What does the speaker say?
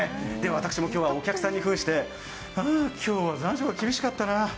私も今日はお客さんにふんして、あ、今日は残暑が厳しかったな。